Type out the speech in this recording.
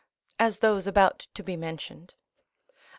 [As those about to be mentioned.